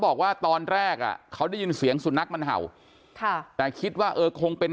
บอกว่าตอนแรกอ่ะเขาได้ยินเสียงสุนัขมันเห่าค่ะแต่คิดว่าเออคงเป็น